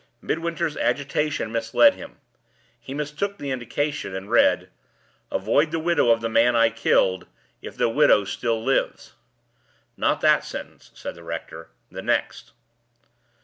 Midwinter's agitation misled him. He mistook the indication, and read, "Avoid the widow of the man I killed, if the widow still lives." "Not that sentence," said the rector. "The next."